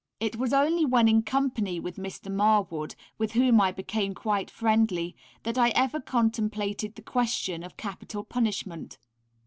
It was only when in company with Mr. Marwood, with whom I became quite friendly, that I ever contemplated the question of capital punishment.